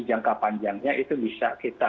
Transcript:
jangka panjangnya itu bisa kita